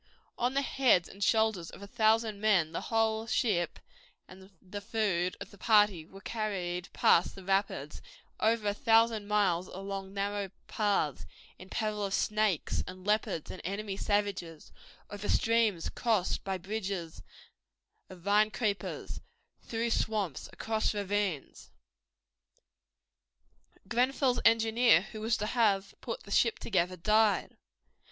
On the heads and shoulders of a thousand men the whole ship and the food of the party were carried past the rapids, over a thousand miles along narrow paths, in peril of snakes and leopards and enemy savages, over streams crossed by bridges of vine creepers, through swamps, across ravines. Grenfell's engineer, who was to have put the ship together, died.